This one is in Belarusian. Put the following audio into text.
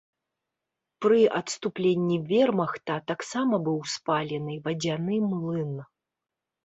Пры адступленні вермахта таксама быў спалены вадзяны млын.